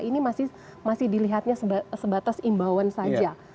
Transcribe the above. ini masih dilihatnya sebatas imbauan saja